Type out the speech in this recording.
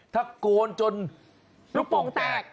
ถ้าโกนจนลูกโป่งแตก